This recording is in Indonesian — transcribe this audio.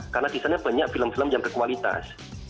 karena di sana banyak film film yang berkualitas